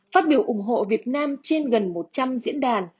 phát biểu ủng hộ việt nam trên gần một trăm linh diễn đàn